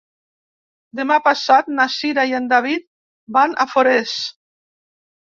Demà passat na Cira i en David van a Forès.